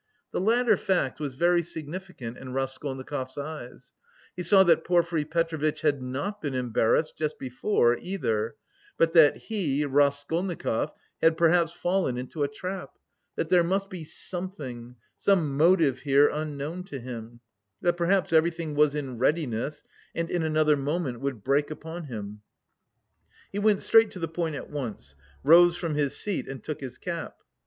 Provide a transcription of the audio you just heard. The latter fact was very significant in Raskolnikov's eyes: he saw that Porfiry Petrovitch had not been embarrassed just before either, but that he, Raskolnikov, had perhaps fallen into a trap; that there must be something, some motive here unknown to him; that, perhaps, everything was in readiness and in another moment would break upon him... He went straight to the point at once, rose from his seat and took his cap.